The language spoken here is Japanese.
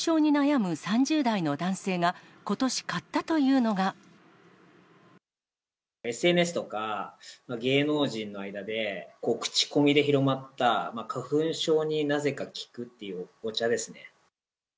花粉症に悩む３０代の男性が、ＳＮＳとか、芸能人の間で口コミで広がった、花粉症になぜか効くっていうお茶ですね。